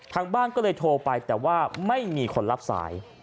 ทางบ้านก็เลยโทรไปแต่ว่าไม่มีคนรับสาย